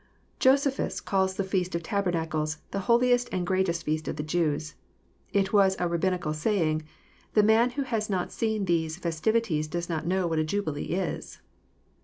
Josephus calls the feast of tabernacles n« the holiest and greatest feast of the Jews." It was a Rabbinical saying, *' The man who has not seen these festivities does not know what a jubilee is."